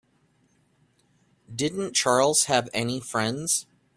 Didn't Charles have any friends?